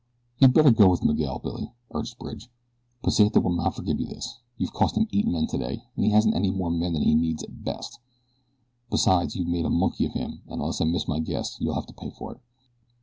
"You'd better go with Miguel, Billy," urged Bridge. "Pesita will not forgive you this. You've cost him eight men today and he hasn't any more men than he needs at best. Besides you've made a monkey of him and unless I miss my guess you'll have to pay for it."